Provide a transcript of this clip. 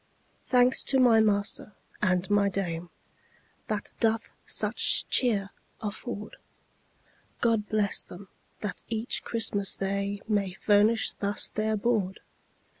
Thanks to my master and my dame That doth such cheer afford; God bless them, that each Christmas they May furnish thus their board.